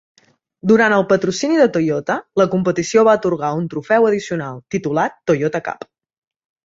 Durant el patrocini de Toyota, la competició va atorgar un trofeu addicional, titulat "Toyota Cup".